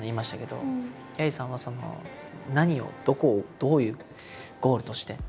どきゃりーさんは何をどこをどういうゴールとして？